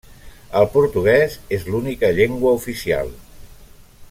El portuguès és l'única llengua oficial.